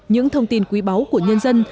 những thông tin quý báu của nhân dân